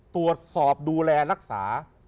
ตรวจสอบดูแลรักษา